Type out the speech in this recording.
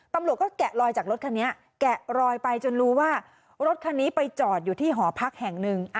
ตำรวจก็แกะรอยจากรถคันนี้แกะรอยไปจนรู้ว่ารถคันนี้ไปจอดอยู่ที่หอพักแห่งหนึ่ง